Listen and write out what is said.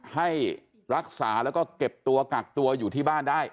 ให้รักษาแล้วก็เก็บตัวกักตัวอยู่ที่บ้านได้